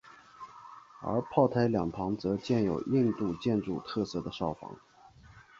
而炮台两旁则建有印度建筑特色的哨房。